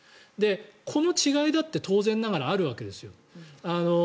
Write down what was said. この違いだって当然ながらあるわけですよ。